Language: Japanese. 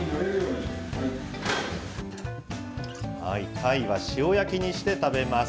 たいは塩焼きにして食べます。